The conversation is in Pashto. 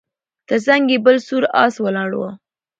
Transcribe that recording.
تر څنګ یې بل سور آس ولاړ و